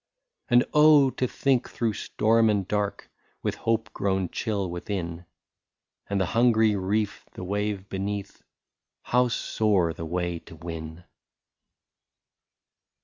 And oh ! to think through storm and dark, With hope grown chill within, And the hungry reef the wave beneath, — How sore the way to win